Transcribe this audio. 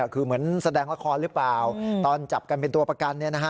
คือเหมือนแสดงละครหรือเปล่าตอนจับกันเป็นตัวประกัน